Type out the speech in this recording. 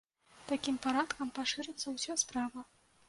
Такім парадкам пашырыцца ўся справа.